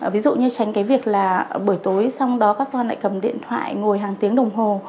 ví dụ như tránh cái việc là buổi tối xong đó các con lại cầm điện thoại ngồi hàng tiếng đồng hồ